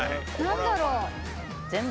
何だろう？